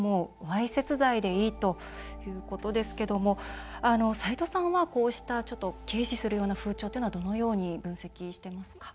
わいせつ罪でいいということですけれども斉藤さんは、こうした軽視する風潮というのはどのように分析していますか？